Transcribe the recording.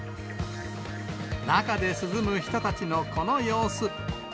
中で涼む人たちのこの様子。